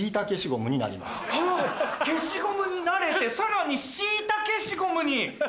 はぁ消しゴムになれてさらに「しいたけしゴム」に。